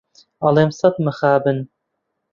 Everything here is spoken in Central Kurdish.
ئەڵێم سەد مخابن